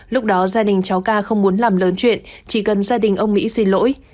lúc đó gia đình cháu ca không muốn làm lớn chuyện chỉ cần gia đình ông mỹ xin lỗi